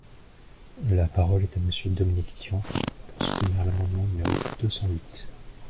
La parole est à Monsieur Dominique Tian, pour soutenir l’amendement numéro deux cent huit.